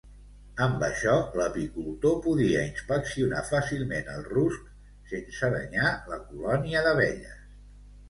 Amb això l'apicultor podia inspeccionar fàcilment el rusc sense danyar la colònia d'abelles.